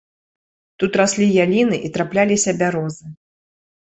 Тут раслі яліны і трапляліся бярозы.